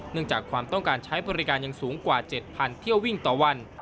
จากความต้องการใช้บริการยังสูงกว่า๗๐๐เที่ยววิ่งต่อวัน